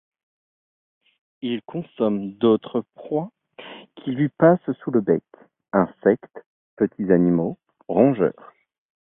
Il consomme d'autres proies qui lui passent sous le bec, insectes, petits animaux, rongeurs.